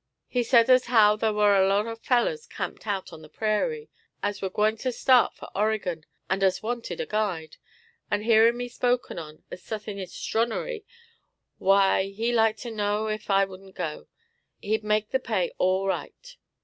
He said as how thar' war' a lot of fellers camped out on the prairie, as war gwine to start for Oregon, and as wanted a guide; and heerin' me spoken on as suthin' extronnery, why he like to know ef I wouldn't go; he'd make the pay all right.